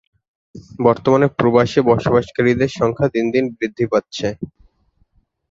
বর্তমানে প্রবাসে বসবাসকারীদের সংখ্যা দিন দিন বৃদ্ধি পাচ্ছে।